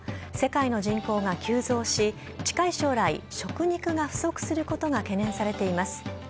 世界の人口が急増し、近い将来、食肉が不足することが懸念されています。